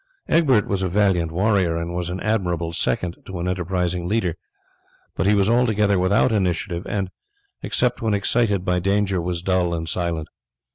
Egbert was a valiant warrior, and was an admirable second to an enterprising leader; but he was altogether without initiative, and, except when excited by danger, was dull and silent.